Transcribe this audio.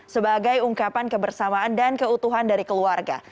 sebagai ungkapan kebersamaan dan keutuhan dari keluarga